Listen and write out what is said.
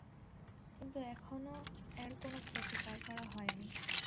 কিন্তু এখনও এর কোনো প্রতিকার করা হয়নি।